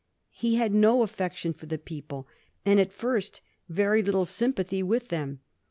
He had no affection for the people, and, at first, very little sympathy with them.